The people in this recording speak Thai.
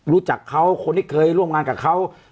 รู้จักเขาคนที่เคยร่วมงานกับเขา